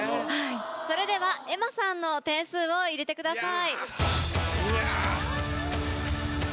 それでは ｅｍａ さんの点数を入れてください。